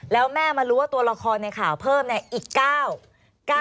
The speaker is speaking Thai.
แล้วแม่มารู้ว่าตัวละครในข่าวเพิ่มเนี่ยอีก๙๙